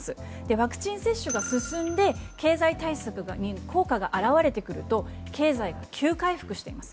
ワクチン接種が進んで経済対策の効果が表れてくると経済が急回復していきます。